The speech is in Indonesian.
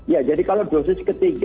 ya jadi kalau dosis ketiga